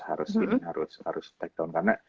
harus harus harus harus karena